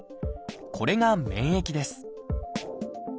これが免疫です。